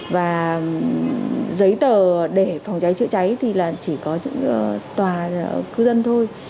và giấy tờ để phòng cháy chữa cháy thì là chỉ có những tòa cư dân thôi